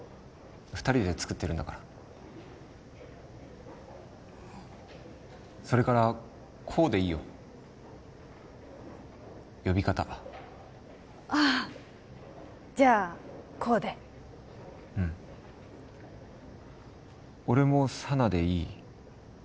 二人で作ってるんだからそれから功でいいよ呼び方ああじゃあ功でうん俺も佐奈でいい？